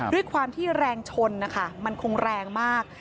ด้วยความที่แรงชนนะคะมันคงแรงมาก